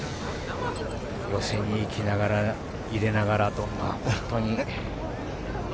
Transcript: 寄せに行きながら、入れながらという、本当に。